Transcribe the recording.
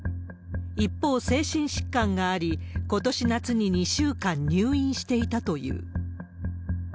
一方、精神疾患があり、ことし夏に２週間入院していたという。